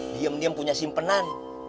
diem diem punya simpenan